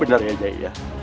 benar ya nyai